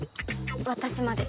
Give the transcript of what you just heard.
私まで。